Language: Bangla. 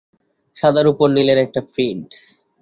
সাদার উপর নীলের একটা প্রিন্ট।